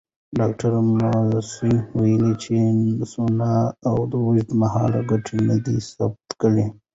ډاکټره ماسي وویل چې سونا اوږدمهاله ګټې ندي ثابته کړې.